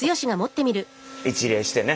一礼してね。